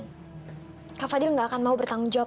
mbak fadil gak akan mau bertanggung jawab